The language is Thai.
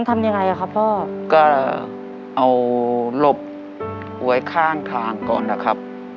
ทำยังไงอ่ะครับพ่อก็เอาหลบไว้ข้างทางก่อนนะครับ